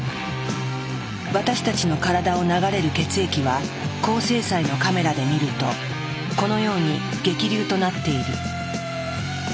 私たちの体を流れる血液は高精細のカメラで見るとこのように激流となっている。